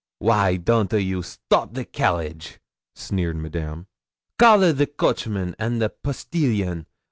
'Why don't a you stop the carriage?' sneered Madame. 'Call a the coachman and the postilion.